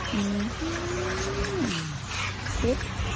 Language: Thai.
สิทธิ์